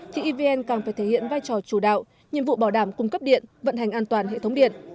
thì evn càng phải thể hiện vai trò chủ đạo nhiệm vụ bảo đảm cung cấp điện vận hành an toàn hệ thống điện